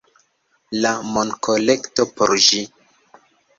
... la monkolekto por ĝi